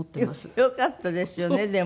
よかったですよねでもね。